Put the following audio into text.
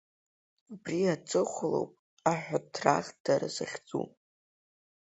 Убри аҵыхәалоп Аҳәаҭраӷдара захьӡу.